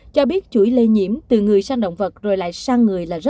cho biết chuỗi lây nhiễm từ người sang động vật rồi lại sang người là rất